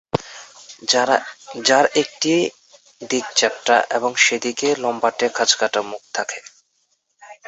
যার একটি দিক চ্যাপ্টা এবং সেদিকে লম্বাটে খাঁজকাটা মুখ থাকে।